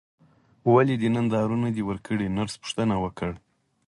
ولې دې نن دارو نه دي ورکړي نرس پوښتنه وکړه.